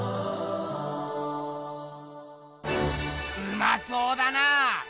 うまそうだな！